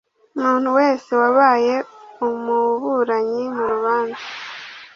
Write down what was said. Umuntu wese wabaye umuburanyi mu rubanza